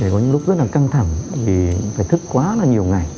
có những lúc rất là căng thẳng vì phải thức quá là nhiều ngày